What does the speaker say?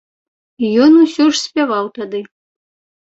Ён усё ж спяваў тады.